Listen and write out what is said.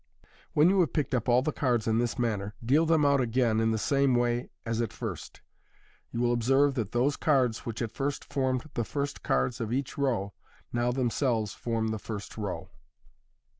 When you have picked up all the cards in this manner, deal them out again in the same way as at first You will observe that those cards which at first formed the first cards of each tow, now themselves form the first row.